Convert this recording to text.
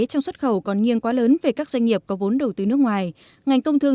trong xuất khẩu còn nghiêng quá lớn về các doanh nghiệp có vốn đầu tư nước ngoài ngành công thương